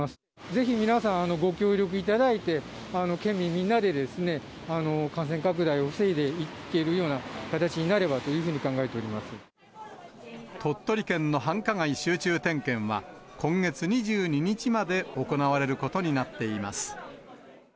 ぜひ皆さん、ご協力いただいて、県民みんなで感染拡大を防いでいけるような形になればというふう鳥取県の繁華街集中点検は、今月２２日まで行われることになっています。